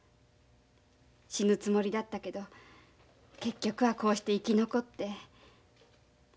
死ぬつもりだったけど結局はこうして生き残って。